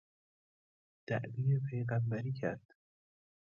دعوی پیغمبری کرد